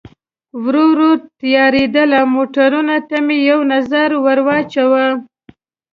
ورو ورو تیارېدل، موټرونو ته مې یو نظر ور واچاوه.